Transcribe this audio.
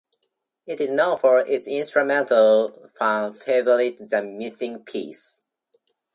It is known for its instrumental fan favourite "The Missing Piece".